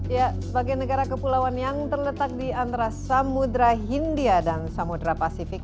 ya sebagai negara kepulauan yang terletak di antara samudera hindia dan samudera pasifik